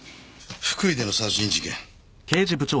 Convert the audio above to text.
福井での殺人事件？